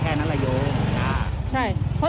ใช่เพราะหนูก็บอกว่า